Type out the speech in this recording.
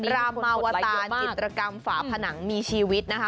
รามมาวตารจิตรกรรมฝาผนังมีชีวิตนะคะ